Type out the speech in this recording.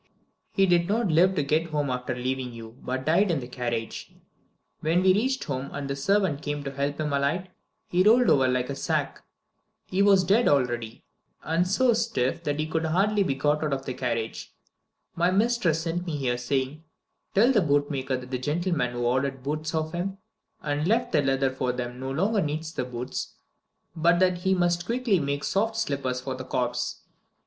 "He did not live to get home after leaving you, but died in the carriage. When we reached home and the servants came to help him alight, he rolled over like a sack. He was dead already, and so stiff that he could hardly be got out of the carriage. My mistress sent me here, saying: 'Tell the bootmaker that the gentleman who ordered boots of him and left the leather for them no longer needs the boots, but that he must quickly make soft slippers for the corpse.